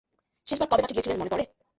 শেষবার কবে মাঠে গিয়েছিলেন মনে পড়ে?